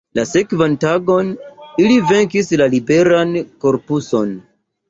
La sekvan tagon ili venkis la liberan korpuson.